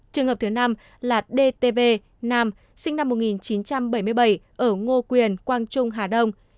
trường hợp thứ năm là dtv nam sinh năm một nghìn chín trăm bảy mươi bảy ở ngô quyền quang trung hà đông